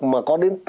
mà có đến